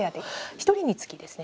１人につきですね